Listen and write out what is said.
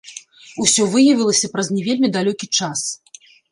Усё выявілася праз не вельмі далёкі час.